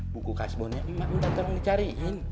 buku rajasamboknya human dadanya cariin